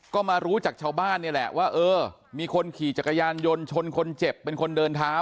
ก็มารู้จากชาวบ้านนี่แหละว่าเออมีคนขี่จักรยานยนต์ชนคนเจ็บเป็นคนเดินเท้า